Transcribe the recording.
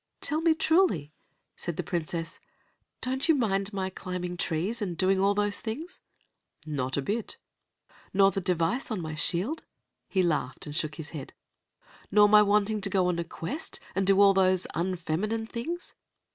"Tell me truly," said the Princess, "don't you mind my climbing trees and doing all those things?" "Not a bit." "Nor the device on my shield?" He laughed and shook his head. "Nor my wanting to go on a quest, and do all those unfeminine things?"